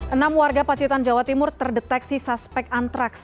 enam warga pacitan jawa timur terdeteksi suspek antraks